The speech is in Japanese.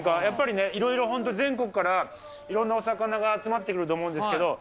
やっぱりね、いろいろ本当全国からいろんなお魚が集まってくると思うんですけ